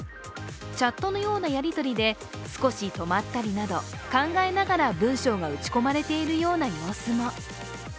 チャットのようなやりとりで少し止まったりなど、考えながら文章が打ち込まれているような様子も。